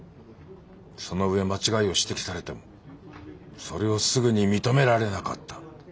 その上間違いを指摘されてもそれをすぐに認められなかった。